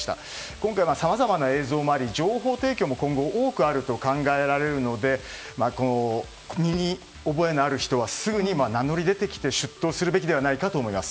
今回、さまざまな情報もあり情報提供も今後多くあると考えられるので身に覚えのある人はすぐに名乗り出てきて出頭するべきではないかと